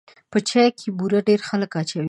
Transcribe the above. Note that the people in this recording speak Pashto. په چای کې بوره ډېر خلک اچوي.